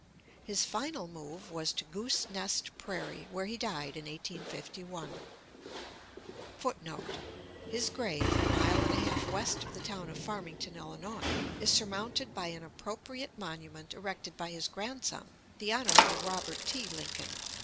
His final move was to Goose Nest Prairie, where he died in 1851, [Footnote: His grave, a mile and a half west of the town of Farmington, Illinois, is surmounted by an appropriate monument erected by his grandson, the Hon. Robert T. Lincoln.